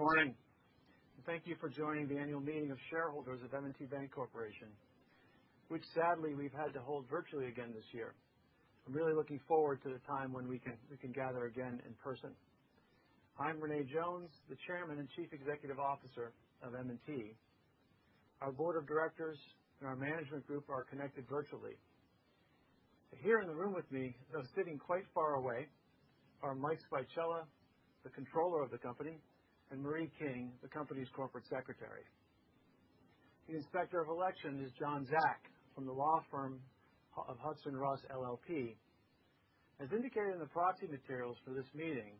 Good morning. Thank you for joining the annual meeting of shareholders of M&T Bank Corporation, which sadly, we've had to hold virtually again this year. I'm really looking forward to the time when we can gather again in person. I'm René Jones, the Chairman and Chief Executive Officer of M&T. Our board of directors and our management group are connected virtually. Here in the room with me, though sitting quite far away, are Mike Spychala, the controller of the company, and Marie King, the company's corporate secretary. The Inspector of Election is John Zak from the law firm of Hodgson Russ LLP. As indicated in the proxy materials for this meeting,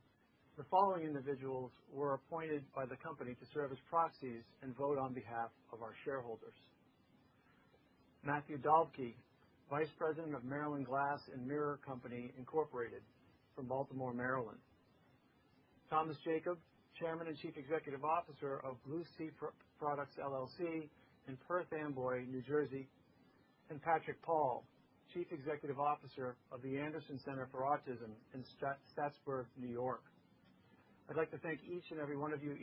the following individuals were appointed by the company to serve as proxies and vote on behalf of our shareholders. Matthew Dalbkey, vice president of Maryland Glass & Mirror Company Incorporated from Baltimore, Maryland, Thomas Jacob, chairman and chief executive officer of Blue Sea Products LLC in Perth Amboy, New Jersey, and Patrick Paul, chief executive officer of the Anderson Center for Autism in Plattsburgh, N.Y. I'd like to thank each and every one of you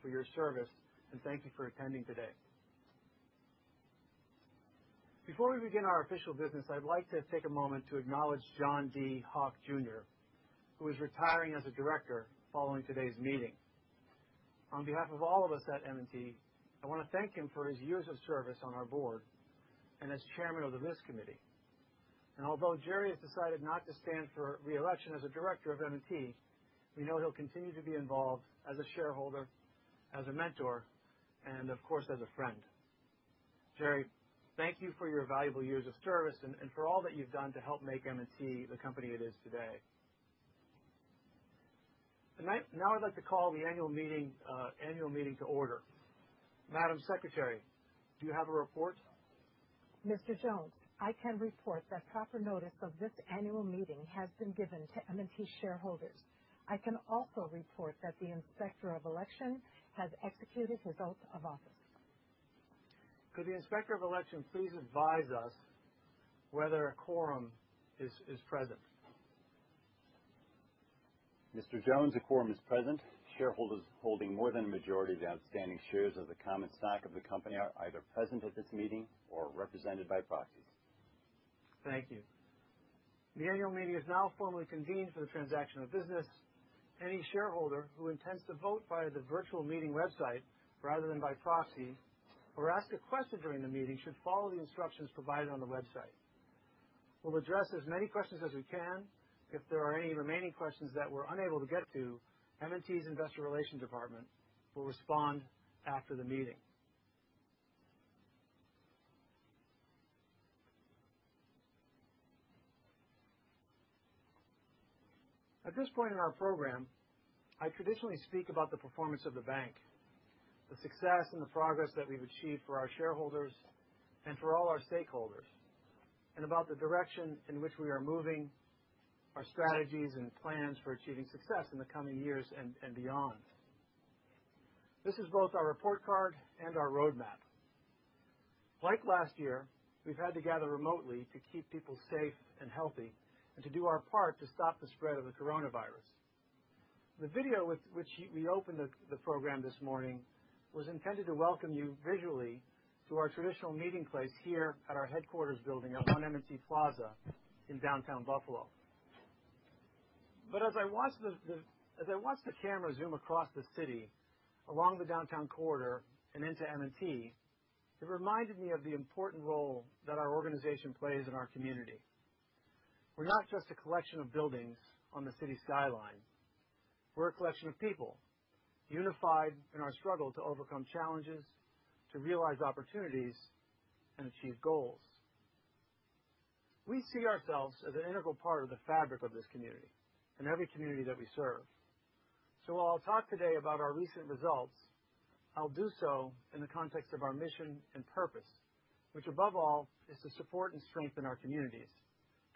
for your service, and thank you for attending today. Before we begin our official business, I'd like to take a moment to acknowledge John G. Hock Jr., who is retiring as a director following today's meeting. On behalf of all of us at M&T, I want to thank him for his years of service on our board and as chairman of the risk committee. Although Jerry has decided not to stand for re-election as a director of M&T, we know he'll continue to be involved as a shareholder, as a mentor, and of course, as a friend. Jerry, thank you for your valuable years of service and for all that you've done to help make M&T the company it is today. I'd like to call the annual meeting to order. Madam Secretary, do you have a report? Mr. Jones, I can report that proper notice of this annual meeting has been given to M&T shareholders. I can also report that the Inspector of Election has executed his oath of office. Could the Inspector of Election please advise us whether a quorum is present? Mr. Jones, a quorum is present. Shareholders holding more than a majority of the outstanding shares of the common stock of the company are either present at this meeting or represented by proxies. Thank you. The annual meeting is now formally convened for the transaction of business. Any shareholder who intends to vote via the virtual meeting website rather than by proxy or ask a question during the meeting should follow the instructions provided on the website. We'll address as many questions as we can. If there are any remaining questions that we're unable to get to, M&T's Investor Relations Department will respond after the meeting. At this point in our program, I traditionally speak about the performance of the bank, the success and the progress that we've achieved for our shareholders and for all our stakeholders, and about the direction in which we are moving, our strategies and plans for achieving success in the coming years and beyond. This is both our report card and our roadmap. Like last year, we've had to gather remotely to keep people safe and healthy and to do our part to stop the spread of the coronavirus. The video with which we opened the program this morning was intended to welcome you visually to our traditional meeting place here at our headquarters building up on M&T Plaza in downtown Buffalo. As I watched the camera zoom across the city, along the downtown corridor, and into M&T, it reminded me of the important role that our organization plays in our community. We're not just a collection of buildings on the city skyline. We're a collection of people, unified in our struggle to overcome challenges, to realize opportunities, and achieve goals. We see ourselves as an integral part of the fabric of this community and every community that we serve. While I'll talk today about our recent results, I'll do so in the context of our mission and purpose, which above all, is to support and strengthen our communities,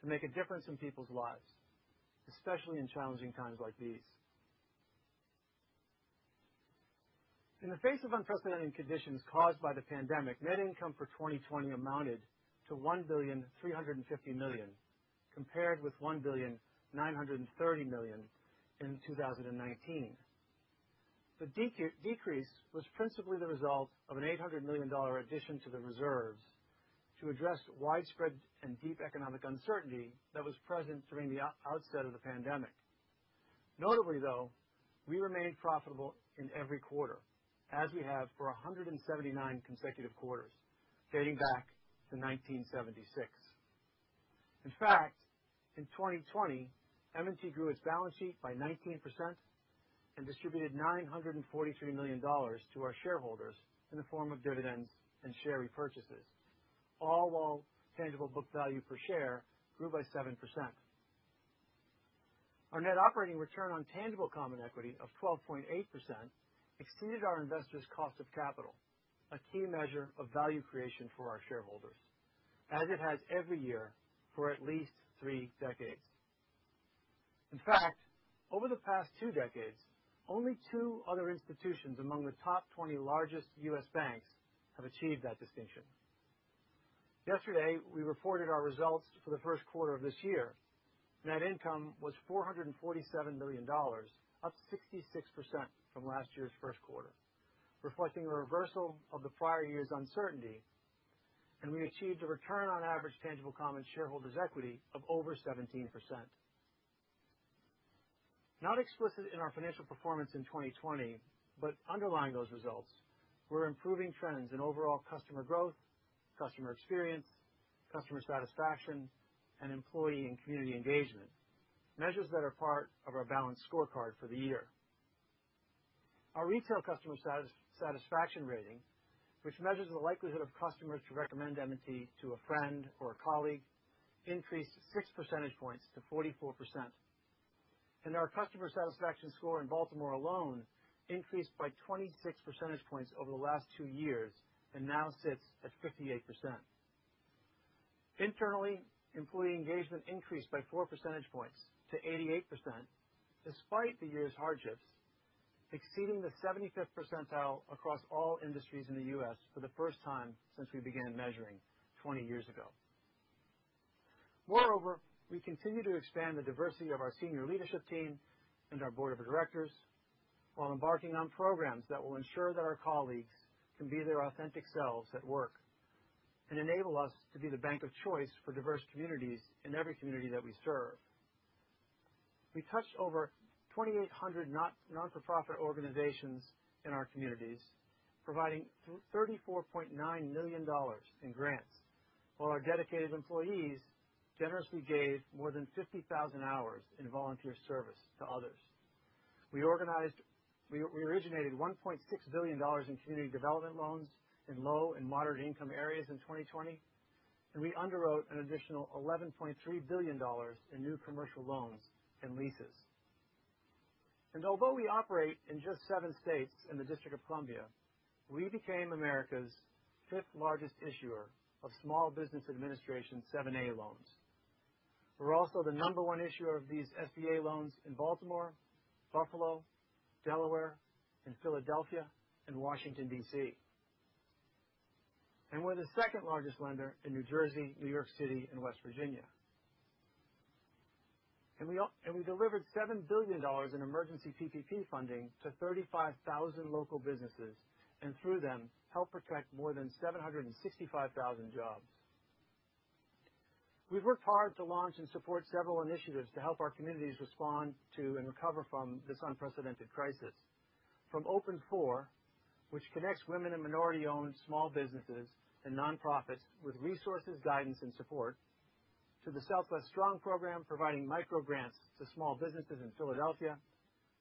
to make a difference in people's lives, especially in challenging times like these. In the face of unprecedented conditions caused by the pandemic, net income for 2020 amounted to $1.35 billion, compared with $1.930 billion in 2019. The decrease was principally the result of an $800 million addition to the reserves to address widespread and deep economic uncertainty that was present during the outset of the pandemic. Notably, though, we remained profitable in every quarter, as we have for 179 consecutive quarters, dating back to 1976. In fact, in 2020, M&T grew its balance sheet by 19% and distributed $943 million to our shareholders in the form of dividends and share repurchases, all while tangible book value per share grew by 7%. Our net operating return on tangible common equity of 12.8% exceeded our investors' cost of capital, a key measure of value creation for our shareholders, as it has every year for at least three decades. In fact, over the past two decades, only two other institutions among the top 20 largest U.S. banks have achieved that distinction. Yesterday, we reported our results for the first quarter of this year. Net income was $447 million, up 66% from last year's first quarter, reflecting the reversal of the prior year's uncertainty, and we achieved a return on average tangible common shareholders' equity of over 17%. Not explicit in our financial performance in 2020, but underlying those results, were improving trends in overall customer growth, customer experience, customer satisfaction, and employee and community engagement, measures that are part of our balanced scorecard for the year. Our retail customer satisfaction rating, which measures the likelihood of customers to recommend M&T to a friend or a colleague, increased six percentage points to 44%. Our customer satisfaction score in Baltimore alone increased by 26 percentage points over the last two years and now sits at 58%. Internally, employee engagement increased by four percentage points to 88%, despite the year's hardships, exceeding the 75th percentile across all industries in the U.S. for the first time since we began measuring 20 years ago. We continue to expand the diversity of our senior leadership team and our board of directors, while embarking on programs that will ensure that our colleagues can be their authentic selves at work and enable us to be the bank of choice for diverse communities in every community that we serve. We touched over 2,800 not-for-profit organizations in our communities, providing $34.9 million in grants, while our dedicated employees generously gave more than 50,000 hours in volunteer service to others. We originated $1.6 billion in community development loans in low and moderate income areas in 2020, and we underwrote an additional $11.3 billion in new commercial loans and leases. Although we operate in just seven states in the District of Columbia, we became America's fifth-largest issuer of Small Business Administration 7(a) loans. We're also the number one issuer of these SBA loans in Baltimore, Buffalo, Delaware, and Philadelphia, and Washington, D.C. We're the second largest lender in New Jersey, New York City, and West Virginia. We delivered $7 billion in emergency PPP funding to 35,000 local businesses, and through them, helped protect more than 765,000 jobs. We've worked hard to launch and support several initiatives to help our communities respond to and recover from this unprecedented crisis. From Open4, which connects women and minority-owned small businesses and nonprofits with resources, guidance, and support, to the Southwest Strong program providing microgrants to small businesses in Philadelphia,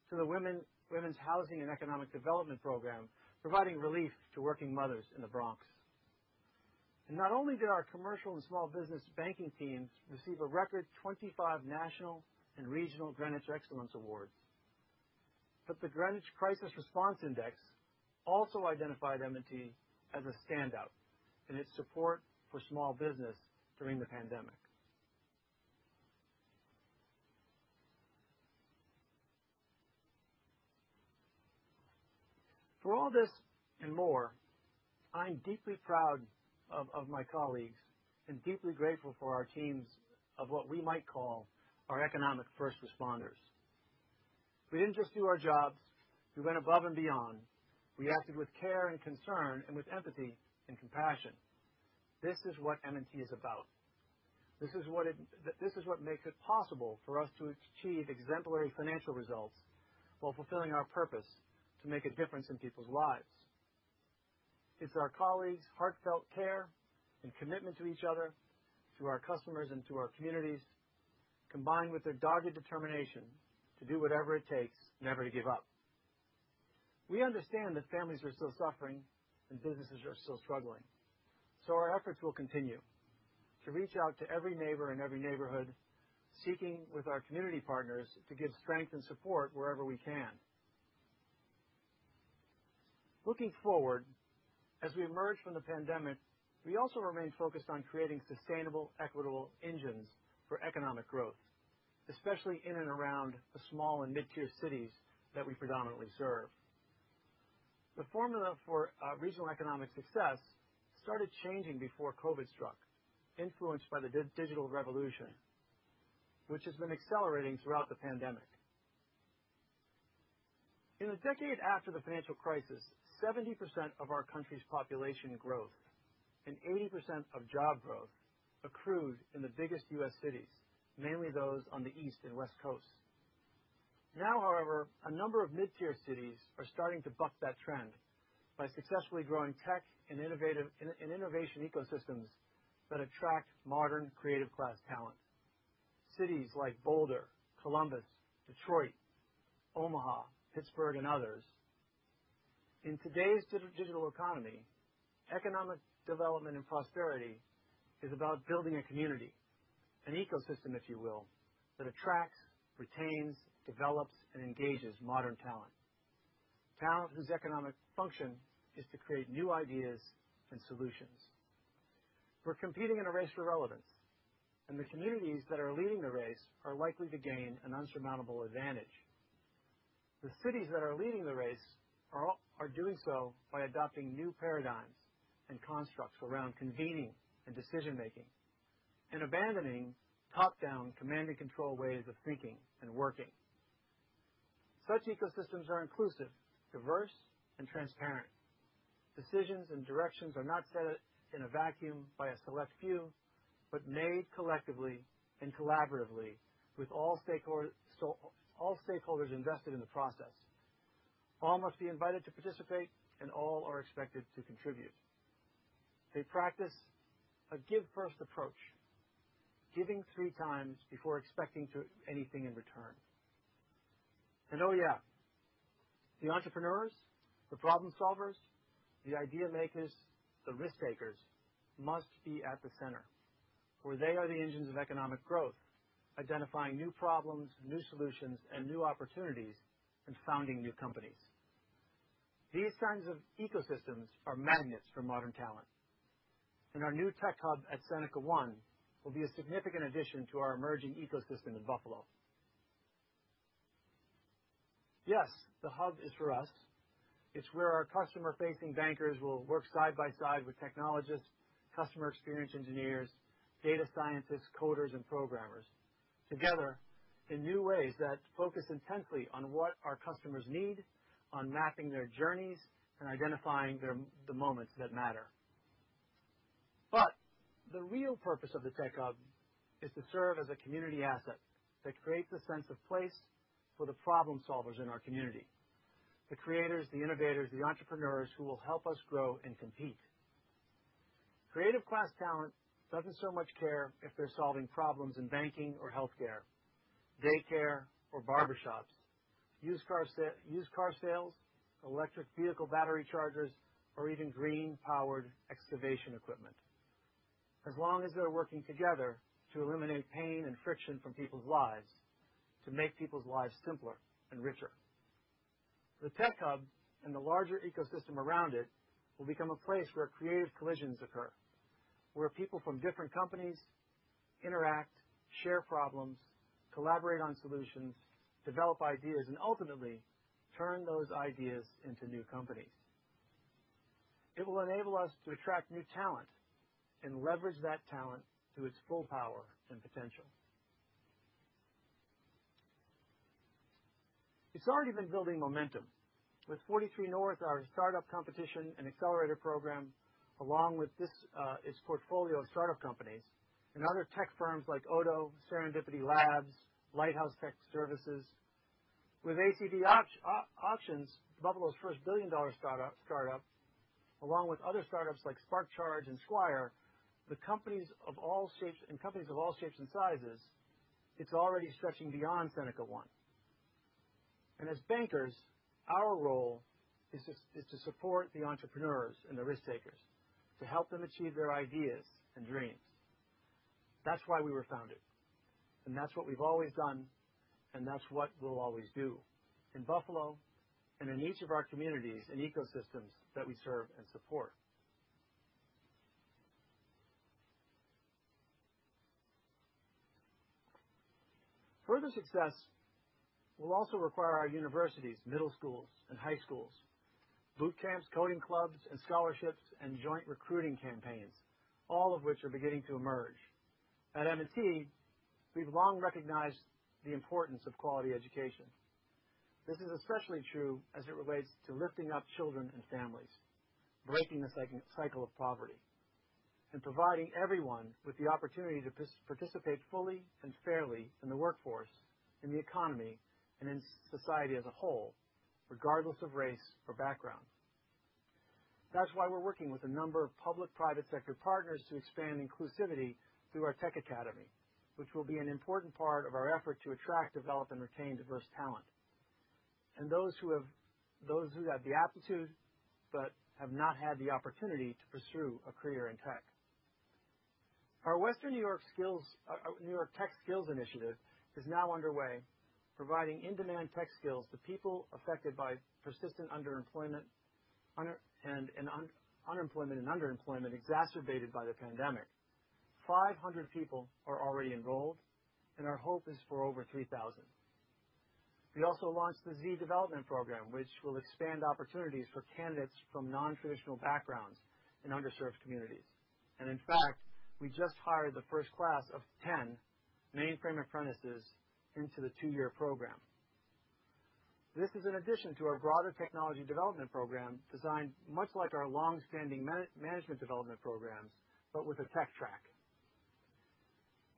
to the Women's Housing and Economic Development program providing relief to working mothers in the Bronx. Not only did our commercial and small business banking teams receive a record 25 national and regional Greenwich Excellence Awards, but the Greenwich Crisis Response Index also identified M&T as a standout in its support for small business during the pandemic. For all this and more, I'm deeply proud of my colleagues and deeply grateful for our teams of what we might call our economic first responders. We didn't just do our jobs, we went above and beyond. We acted with care and concern and with empathy and compassion. This is what M&T is about. This is what makes it possible for us to achieve exemplary financial results while fulfilling our purpose to make a difference in people's lives. It's our colleagues' heartfelt care and commitment to each other, to our customers, and to our communities, combined with their dogged determination to do whatever it takes, never to give up. We understand that families are still suffering and businesses are still struggling. Our efforts will continue to reach out to every neighbor in every neighborhood, seeking with our community partners to give strength and support wherever we can. Looking forward, as we emerge from the pandemic, we also remain focused on creating sustainable, equitable engines for economic growth, especially in and around the small and mid-tier cities that we predominantly serve. The formula for regional economic success started changing before COVID struck, influenced by the digital revolution, which has been accelerating throughout the pandemic. In the decade after the financial crisis, 70% of our country's population growth and 80% of job growth accrued in the biggest U.S. cities, mainly those on the East and West coasts. However, a number of mid-tier cities are starting to buck that trend by successfully growing tech and innovation ecosystems that attract modern creative class talent. Cities like Boulder, Columbus, Detroit, Omaha, Pittsburgh, and others. In today's digital economy, economic development and prosperity is about building a community, an ecosystem, if you will, that attracts, retains, develops, and engages modern talent. Talent whose economic function is to create new ideas and solutions. We're competing in a race for relevance, and the communities that are leading the race are likely to gain an insurmountable advantage. The cities that are leading the race are doing so by adopting new paradigms and constructs around convening and decision-making, and abandoning top-down command and control ways of thinking and working. Such ecosystems are inclusive, diverse, and transparent. Decisions and directions are not set in a vacuum by a select few, but made collectively and collaboratively with all stakeholders invested in the process. All must be invited to participate, and all are expected to contribute. They practice a give-first approach, giving three times before expecting anything in return. Oh yeah, the entrepreneurs, the problem solvers, the idea makers, the risk-takers must be at the center, for they are the engines of economic growth, identifying new problems, new solutions, and new opportunities, and founding new companies. These kinds of ecosystems are magnets for modern talent, and our new tech hub at Seneca one will be a significant addition to our emerging ecosystem in Buffalo. Yes, the hub is for us. It's where our customer-facing bankers will work side by side with technologists, customer experience engineers, data scientists, coders, and programmers together in new ways that focus intently on what our customers need, on mapping their journeys, and identifying the moments that matter. The real purpose of the tech hub is to serve as a community asset that creates a sense of place for the problem solvers in our community, the creators, the innovators, the entrepreneurs who will help us grow and compete. Creative class talent doesn't so much care if they're solving problems in banking or healthcare, daycare or barbershops, used car sales, electric vehicle battery chargers, or even green-powered excavation equipment. As long as they're working together to eliminate pain and friction from people's lives, to make people's lives simpler and richer. The tech hub and the larger ecosystem around it will become a place where creative collisions occur, where people from different companies interact, share problems, collaborate on solutions, develop ideas, and ultimately turn those ideas into new companies. It will enable us to attract new talent and leverage that talent to its full power and potential. It's already been building momentum with 43North, our startup competition and accelerator program, along with its portfolio of startup companies, and other tech firms like Odoo, Serendipity Labs, Lighthouse Technology Services, with ACV Auctions, Buffalo's first billion-dollar startup, along with other startups like SparkCharge and Squire, and companies of all shapes and sizes, it's already stretching beyond Seneca one. As bankers, our role is to support the entrepreneurs and the risk-takers to help them achieve their ideas and dreams. That's why we were founded, and that's what we've always done, and that's what we'll always do in Buffalo and in each of our communities and ecosystems that we serve and support. Further success will also require our universities, middle schools, and high schools, boot camps, coding clubs, and scholarships, and joint recruiting campaigns, all of which are beginning to emerge. At M&T, we've long recognized the importance of quality education. This is especially true as it relates to lifting up children and families, breaking the cycle of poverty, and providing everyone with the opportunity to participate fully and fairly in the workforce, in the economy, and in society as a whole, regardless of race or background. That's why we're working with a number of public-private sector partners to expand inclusivity through our tech academy, which will be an important part of our effort to attract, develop, and retain diverse talent, and those who have the aptitude but have not had the opportunity to pursue a career in tech. Our Western New York Tech Skills Initiative is now underway, providing in-demand tech skills to people affected by persistent underemployment, and unemployment and underemployment exacerbated by the pandemic. 500 people are already enrolled, and our hope is for over 3,000. We also launched the Z Development Program, which will expand opportunities for candidates from non-traditional backgrounds and underserved communities. In fact, we just hired the first class of 10 mainframe apprentices into the two-year program. This is in addition to our broader technology development program, designed much like our long-standing management development programs, but with a tech track.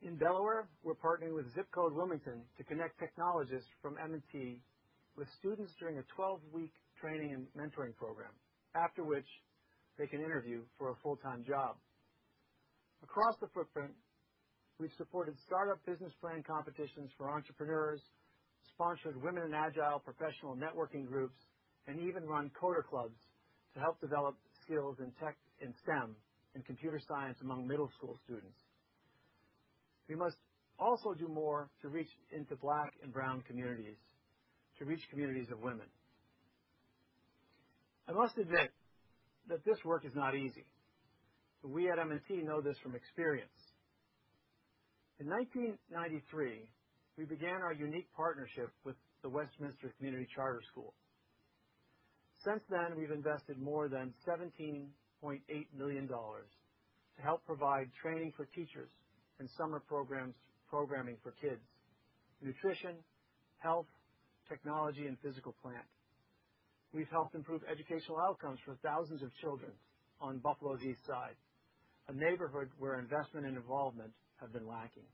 In Delaware, we're partnering with Zip Code Wilmington to connect technologists from M&T with students during a 12-week training and mentoring program, after which they can interview for a full-time job. Across the footprint, we've supported startup business plan competitions for entrepreneurs, sponsored Women in Agile professional networking groups, and even run coder clubs to help develop skills in tech, in STEM, and computer science among middle school students. We must also do more to reach into Black and Brown communities, to reach communities of women. I must admit that this work is not easy. We at M&T know this from experience. In 1993, we began our unique partnership with the Westminster Community Charter School. Since then, we've invested more than $17.8 million to help provide training for teachers and summer programming for kids, nutrition, health, technology, and physical plant. We've helped improve educational outcomes for thousands of children on Buffalo's East Side, a neighborhood where investment and involvement have been lacking,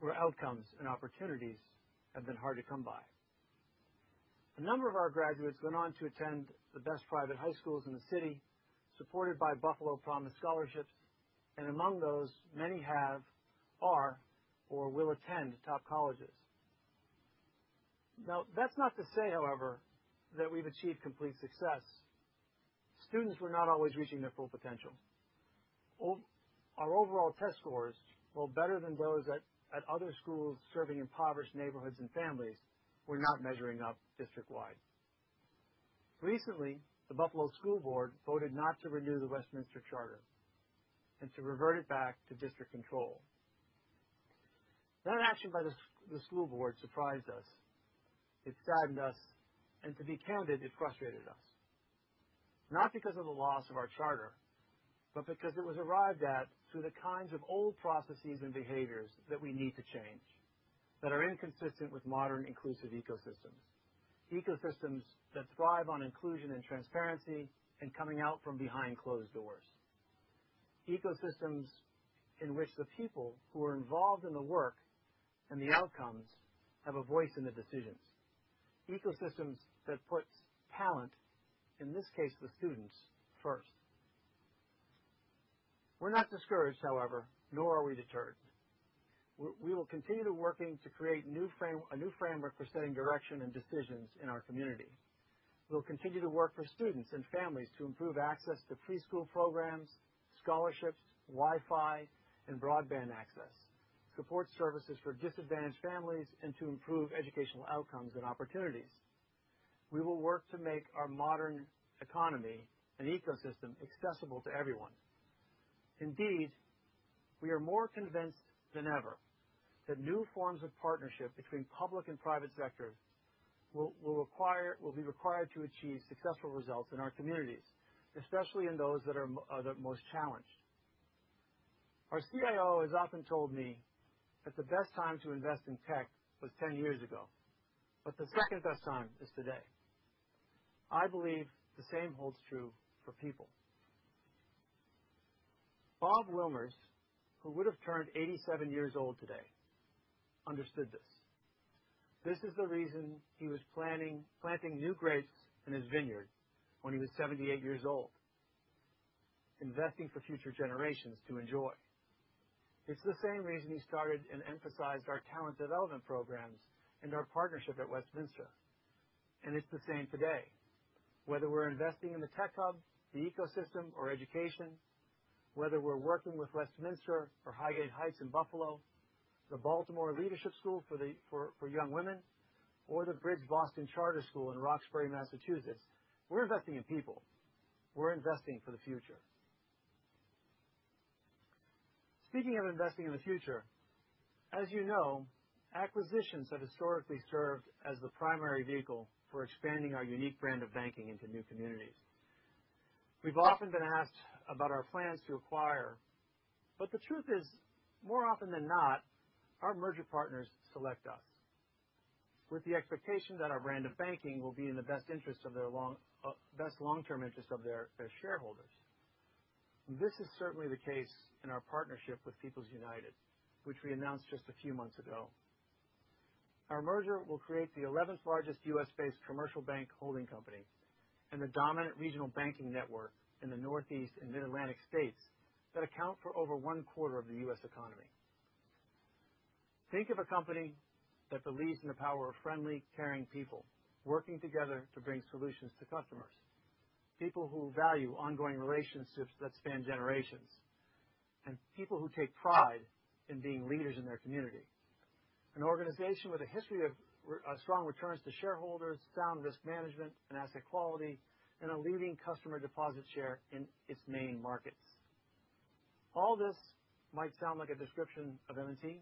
where outcomes and opportunities have been hard to come by. A number of our graduates went on to attend the best private high schools in the city, supported by Buffalo Promise scholarships. Among those, many have, are, or will attend top colleges. Now, that's not to say, however, that we've achieved complete success. Students were not always reaching their full potential. Our overall test scores, while better than those at other schools serving impoverished neighborhoods and families, were not measuring up district-wide. Recently, the Buffalo School Board voted not to renew the Westminster charter and to revert it back to district control. That action by the school board surprised us. It saddened us, and to be candid, it frustrated us. Not because of the loss of our charter, but because it was arrived at through the kinds of old processes and behaviors that we need to change, that are inconsistent with modern, inclusive ecosystems. Ecosystems that thrive on inclusion and transparency and coming out from behind closed doors. Ecosystems in which the people who are involved in the work and the outcomes have a voice in the decisions. Ecosystems that put talent, in this case, the students, first. We're not discouraged, however, nor are we deterred. We will continue to working to create a new framework for setting direction and decisions in our community. We'll continue to work for students and families to improve access to preschool programs, scholarships, Wi-Fi, and broadband access, support services for disadvantaged families, and to improve educational outcomes and opportunities. Indeed, we are more convinced than ever that new forms of partnership between public and private sectors will be required to achieve successful results in our communities, especially in those that are the most challenged. Our CIO has often told me that the best time to invest in tech was 10 years ago, but the second-best time is today. I believe the same holds true for people. Bob Wilmers, who would have turned 87 years old today, understood this. This is the reason he was planting new grapes in his vineyard when he was 78 years old, investing for future generations to enjoy. It's the same reason he started and emphasized our talent development programs and our partnership at Westminster. It's the same today. Whether we're investing in the tech hub, the ecosystem, or education, whether we're working with Westminster or Highgate Heights in Buffalo, the Baltimore Leadership School for Young Women, or the Bridge Boston Charter School in Roxbury, Massachusetts. We're investing in people. We're investing for the future. Speaking of investing in the future, as you know, acquisitions have historically served as the primary vehicle for expanding our unique brand of banking into new communities. We've often been asked about our plans to acquire, the truth is, more often than not, our merger partners select us with the expectation that our brand of banking will be in the best long-term interest of their shareholders. This is certainly the case in our partnership with People's United, which we announced just a few months ago. Our merger will create the 11th largest U.S.-based commercial bank holding company and the dominant regional banking network in the Northeast and Mid-Atlantic states that account for over one-quarter of the U.S. economy. Think of a company that believes in the power of friendly, caring people working together to bring solutions to customers. People who value ongoing relationships that span generations, and people who take pride in being leaders in their community. An organization with a history of strong returns to shareholders, sound risk management, and asset quality, and a leading customer deposit share in its main markets. All this might sound like a description of M&T,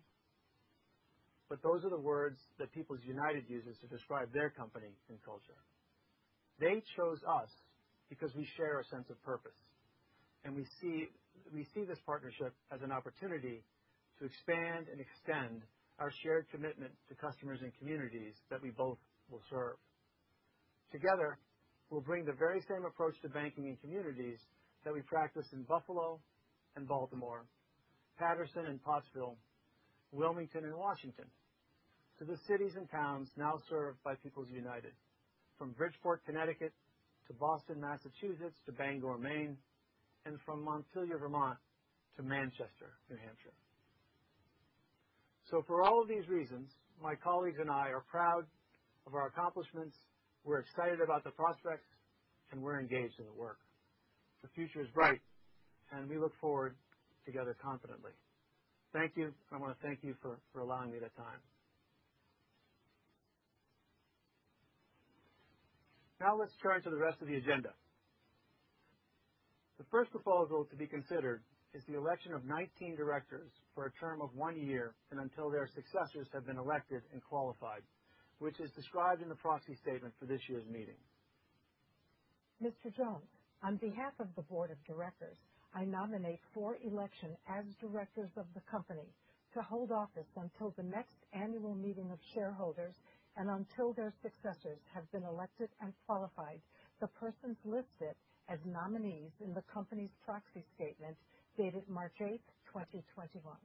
but those are the words that People's United uses to describe their company and culture. They chose us because we share a sense of purpose, and we see this partnership as an opportunity to expand and extend our shared commitment to customers and communities that we both will serve. Together, we'll bring the very same approach to banking and communities that we practice in Buffalo and Baltimore, Paterson and Pottsville, Wilmington and Washington, to the cities and towns now served by People's United, from Bridgeport, Connecticut, to Boston, Massachusetts, to Bangor, Maine, and from Montpelier, Vermont, to Manchester, New Hampshire. For all of these reasons, my colleagues and I are proud of our accomplishments. We're excited about the prospects. We're engaged in the work. The future is bright, and we look forward together confidently. Thank you. I want to thank you for allowing me the time. Now let's turn to the rest of the agenda. The first proposal to be considered is the election of 19 directors for a term of one year and until their successors have been elected and qualified, which is described in the proxy statement for this year's meeting. Mr. Jones, on behalf of the board of directors, I nominate for election as directors of the company to hold office until the next annual meeting of shareholders and until their successors have been elected and qualified, the persons listed as nominees in the company's proxy statement dated March 8th, 2021.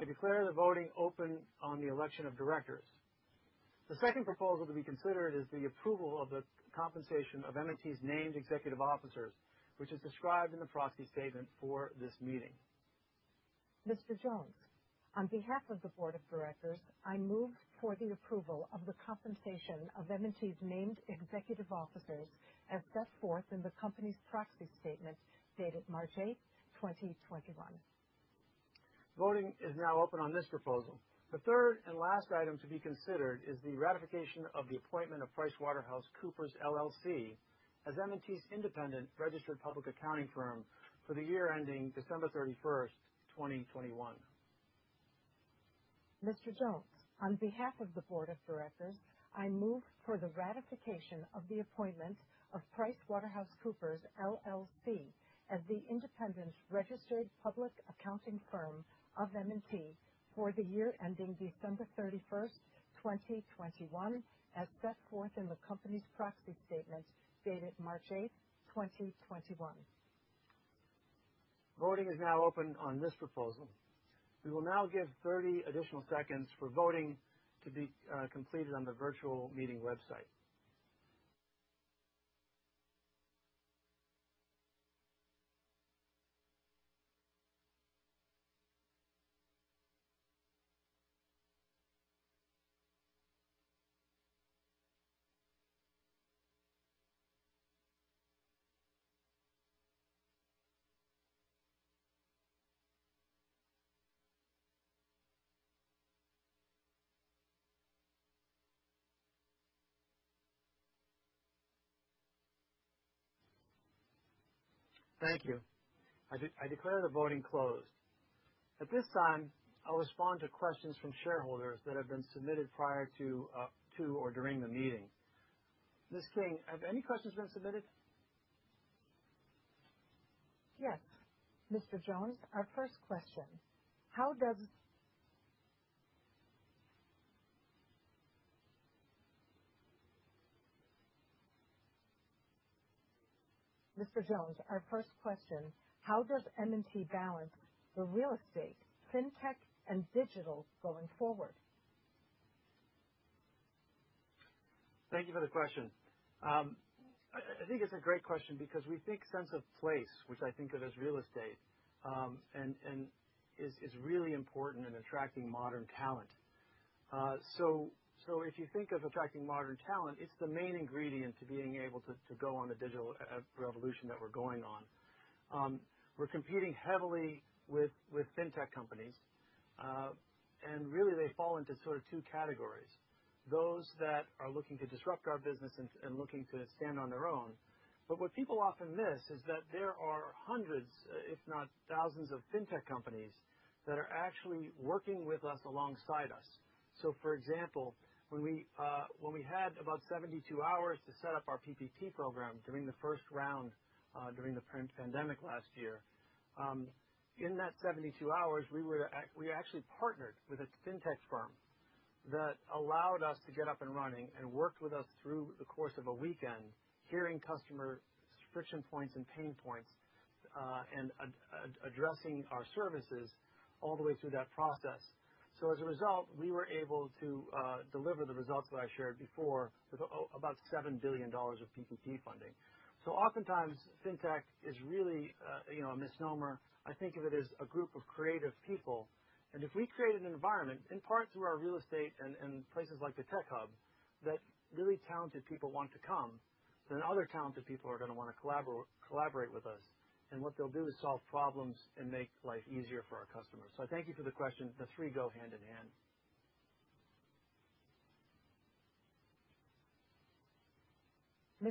I declare the voting open on the election of directors. The second proposal to be considered is the approval of the compensation of M&T's named executive officers, which is described in the proxy statement for this meeting. Mr. Jones, on behalf of the board of directors, I move for the approval of the compensation of M&T's named executive officers as set forth in the company's proxy statement dated March 8th, 2021. Voting is now open on this proposal. The third and last item to be considered is the ratification of the appointment of PricewaterhouseCoopers LLP as M&T's independent registered public accounting firm for the year ending December 31st, 2021. Mr. Jones, on behalf of the board of directors, I move for the ratification of the appointment of PricewaterhouseCoopers LLP as the independent registered public accounting firm of M&T for the year ending December 31st, 2021, as set forth in the company's proxy statement dated March 8th, 2021. Voting is now open on this proposal. We will now give 30 additional seconds for voting to be completed on the virtual meeting website. Thank you. I declare the voting closed. At this time, I'll respond to questions from shareholders that have been submitted prior to or during the meeting. Ms. King, have any questions been submitted? Yes. Mr. Jones, our first question: How does M&T balance the real estate, fintech, and digital going forward? Thank you for the question. I think it's a great question because we think sense of place, which I think of as real estate, and is really important in attracting modern talent. If you think of attracting modern talent, it's the main ingredient to being able to go on the digital revolution that we're going on. We're competing heavily with fintech companies, and really, they fall into two categories. Those that are looking to disrupt our business and looking to stand on their own. What people often miss is that there are hundreds, if not thousands, of fintech companies that are actually working with us alongside us. For example, when we had about 72 hours to set up our PPP program during the first round during the pandemic last year. In that 72 hours, we actually partnered with a fintech firm that allowed us to get up and running and worked with us through the course of a weekend, hearing customer friction points and pain points, and addressing our services all the way through that process. As a result, we were able to deliver the results that I shared before with about $7 billion of PPP funding. Oftentimes, fintech is really a misnomer. I think of it as a group of creative people. If we create an environment, in part through our real estate and places like the Tech Hub, that really talented people want to come, then other talented people are going to want to collaborate with us. What they'll do is solve problems and make life easier for our customers. I thank you for the question. The three go hand in hand.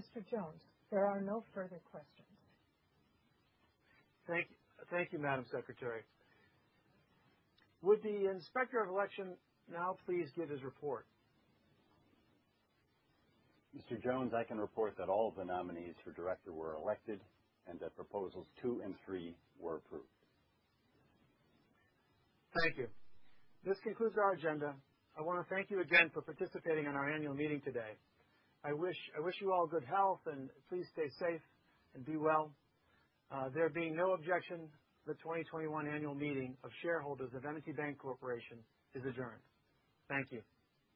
Mr. Jones, there are no further questions. Thank you, Madam Secretary. Would the Inspector of Election now please give his report? Mr. Jones, I can report that all of the nominees for director were elected and that proposals two and three were approved. Thank you. This concludes our agenda. I want to thank you again for participating in our annual meeting today. I wish you all good health, and please stay safe and be well. There being no objection, the 2021 annual meeting of shareholders of M&T Bank Corporation is adjourned. Thank you.